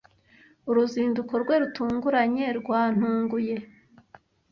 Uruzinduko rwe rutunguranye rwantunguye.